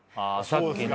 さっきね。